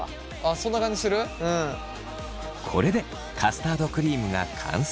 これでカスタードクリームが完成。